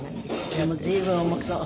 でも随分重そう。